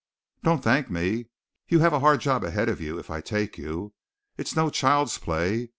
"Don't thank me. You have a hard job ahead of you if I take you. It's no child's play.